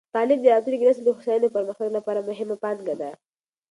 تعلیم د راتلونکې نسل د هوساینې او پرمختګ لپاره مهمه پانګه ده.